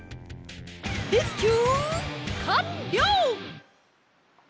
レスキューかんりょう！